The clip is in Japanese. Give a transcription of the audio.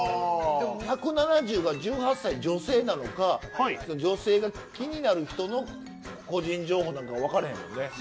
でも「１７０」が１８歳女性なのか女性が気になる人の個人情報なのかわからへんもんね。